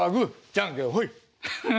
じゃんけんほい。